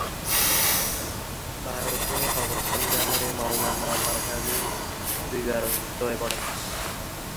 ভারতে অবস্থানকালে মওলানা ভাসানী দুইবার অসুস্থ হয়ে পড়েন।